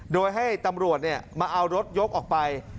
โดยให้ตำรวจมาเอารถยกออกไป